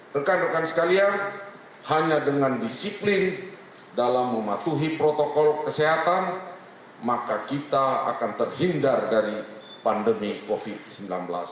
rekan rekan sekalian hanya dengan disiplin dalam mematuhi protokol kesehatan maka kita akan terhindar dari pandemi covid sembilan belas